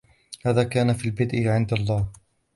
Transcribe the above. هذا كان في البدء عند الله.